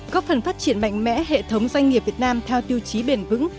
góp phần phát triển mạnh mẽ hệ thống doanh nghiệp việt nam theo tiêu chí bền vững